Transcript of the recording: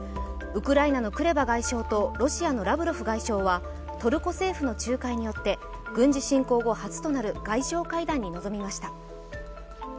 ウクライナのクレバ外相とロシアのラブロフ外相はトルコ政府の仲介によって軍事侵攻後初となる外相会談に臨みました。